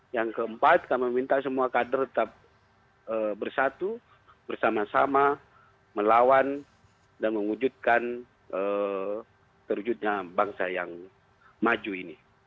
yang keempat kami minta semua kader tetap bersatu bersama sama melawan dan mewujudkan terwujudnya bangsa yang maju ini